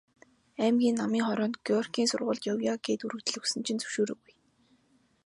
Аймгийн Намын хороонд Горькийн сургуульд явъя гээд өргөдөл өгсөн чинь зөвшөөрөөгүй.